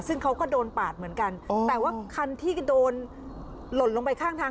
ซึ่งเขาก็โดนปาดเหมือนกันแต่ว่าคันที่โดนหล่นลงไปข้างทาง